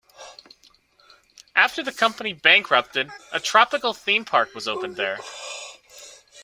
After the company bankrupted, a tropical theme park was opened there.